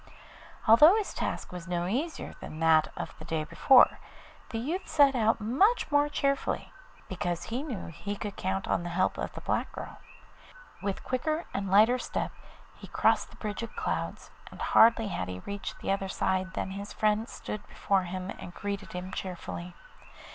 Although his task was no easier than that of the day before, the youth set out much more cheerfully, because he knew he could count an the help of the black girl. With quicker and lighter step he crossed the bridge of clouds, and hardly had he reached the other side than his friend stood before him and greeted him cheerfully.